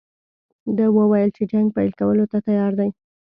ده وویل چې جنګ پیل کولو ته تیار دی.